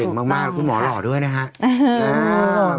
เก่งมากแล้วคุณหมอหล่อด้วยนะครับ